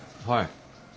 はい。